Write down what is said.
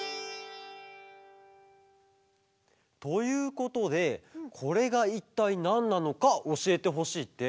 ということでこれがいったいなんなのかおしえてほしいって。